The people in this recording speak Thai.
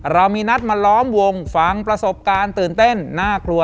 เรามีนัดมาล้อมวงฟังประสบการณ์ตื่นเต้นน่ากลัว